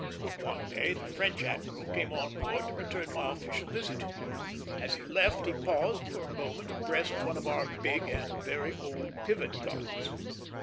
One day the French admiral came on board to return my official visit. As he left, he paused for a moment abreast one of our big, and very old, pivot guns.